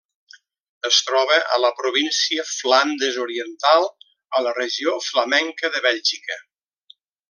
Es troba a la província Flandes Oriental a la regió Flamenca de Bèlgica.